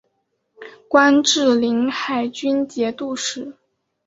官至临海军节度使。